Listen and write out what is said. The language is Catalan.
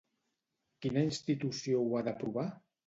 Quina institució ho ha d'aprovar?